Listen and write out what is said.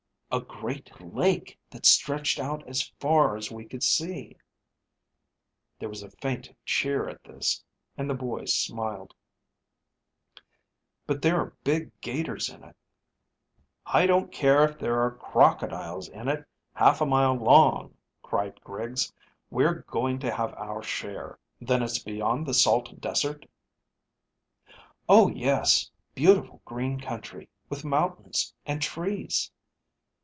"A great lake that stretched out as far as we could see." There was a faint cheer at this, and the boy smiled. "But there are big 'gators in it." "I don't care if there are crocodiles in it half a mile long," cried Griggs. "We're going to have our share. Then it's beyond the salt desert?" "Oh yes. Beautiful green country, with mountains and trees."